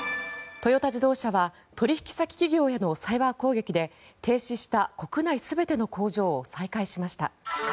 トヨタ自動車は取引先企業へのサイバー攻撃で停止した国内全ての工場を再開しました。